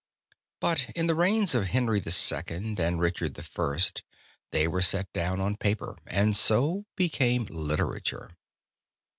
But in the reigns of Henry II. and Richard I., they were set down on paper, and so became literature.